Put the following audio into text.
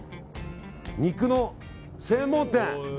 肉の専門店！